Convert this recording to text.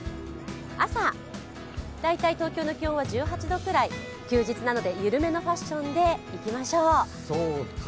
朝、東京の気温は１８度くらい、休日なので、ゆるめのファッションでいきましょう。